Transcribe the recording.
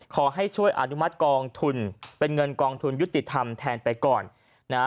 ขอให้ช่วยอนุมัติกองทุนเป็นเงินกองทุนยุติธรรมแทนไปก่อนนะฮะ